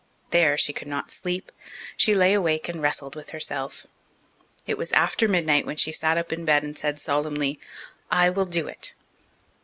There she could not sleep; she lay awake and wrestled with herself. It was after midnight when she sat up in bed and said solemnly, "I will do it."